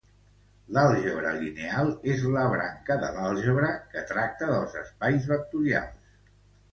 L'àlgebra lineal és la branca de l'àlgebra que tracta dels espais vectorials.